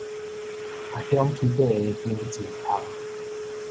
阿香去買的香真芳